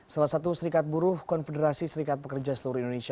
salah satu serikat buruh konfederasi serikat pekerja seluruh indonesia